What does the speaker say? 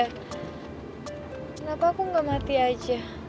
kenapa aku nggak mati aja